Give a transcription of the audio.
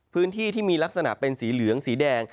พื้นที่ที่มีลักษณะเป็นสีเหลืองสีแดง